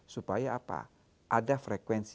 supaya apa ada frekuensi